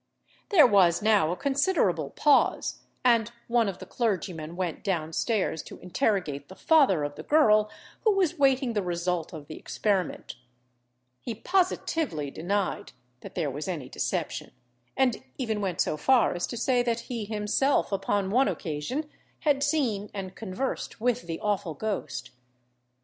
There was now a considerable pause, and one of the clergymen went down stairs to interrogate the father of the girl, who was waiting the result of the experiment. He positively denied that there was any deception, and even went so far as to say that he himself, upon one occasion, had seen and conversed with the awful ghost.